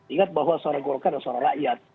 ingat bahwa suara golkar adalah suara rakyat